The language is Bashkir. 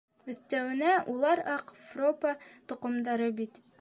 Өҫтәүенә, улар аҡ Фропа тоҡомдары бит.